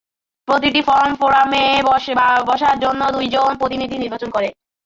প্রতিটি ফর্ম ফোরামে বসার জন্য দুইজন প্রতিনিধি নির্বাচন করে।